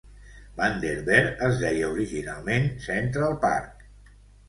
Vander Veer es deia originalment Central Park.